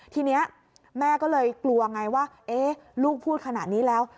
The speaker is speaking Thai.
ทีนี้แม่ก็เลยกลัวไงว่าลูกพูดขนาดนี้แล้ว